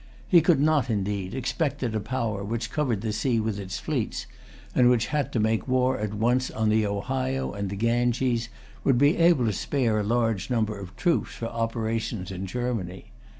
He could not, indeed, expect that a power which covered the sea with its fleets, and which had to make war at once on the Ohio and the Ganges, would be able to spare a large number of troops for operations in Germany.